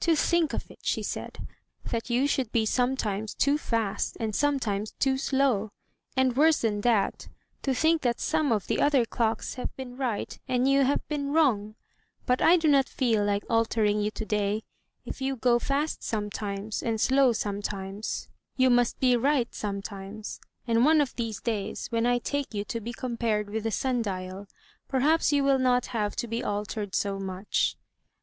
"To think of it!" she said. "That you should be sometimes too fast and sometimes too slow! And, worse than that, to think that some of the other clocks have been right and you have been wrong! But I do not feel like altering you today. If you go fast sometimes, and slow sometimes, you must be right sometimes, and one of these days, when 1 take you to be compared with the sim dial, perhaps you will not have to be altered so much."